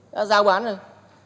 đã giao bán rồi